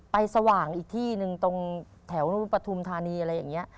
สว่างอีกที่หนึ่งตรงแถวปฐุมธานีอะไรอย่างนี้